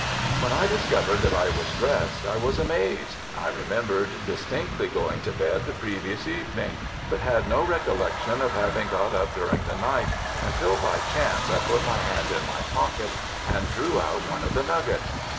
When I discovered that I was dressed I was amazed. I remembered distinctly going to bed the previous evening: but had no recollection of having got up during the night, until by chance I put my hand in my pocket and drew out one of the nuggets.